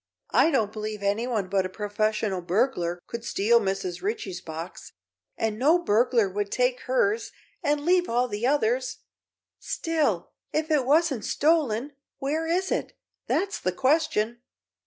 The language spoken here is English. I don't believe anyone but a professional burglar could steal Mrs. Ritchie's box, and no burglar would take hers and leave all the others. Still, if it wasn't stolen, where is it? That's the question."